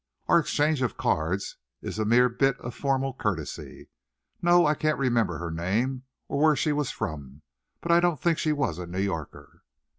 Our exchange of cards is a mere bit of formal courtesy. No, I can't remember her name, or where she was from. But I don't think she was a New Yorker."